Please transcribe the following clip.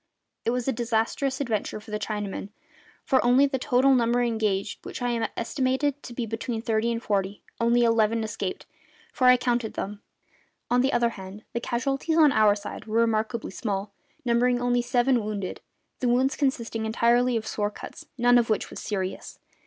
It was a disastrous adventure for the Chinamen; for of the total number engaged which I estimated to be between thirty and forty only eleven escaped, for I counted them. On the other hand, the casualties on our side were remarkably small, numbering only seven wounded, the wounds consisting entirely of sword cuts, none of which was serious.